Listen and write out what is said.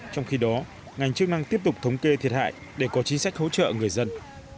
trong khi đó ngành chức năng tiếp tục thống kê thiệt hại để có chính sách hỗ trợ người dân